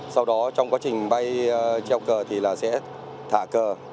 sau đó trong quá trình bay treo cờ thì là sẽ thả cờ